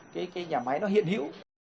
cái nhà máy nó hiện hữu